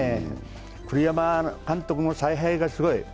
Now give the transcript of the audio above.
栗山監督の采配がすごい。